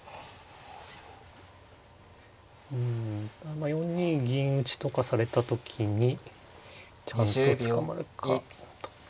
うん４二銀打とかされた時にちゃんと捕まるかとか。